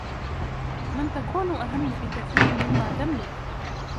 من تكون أهم بكثير مما تملك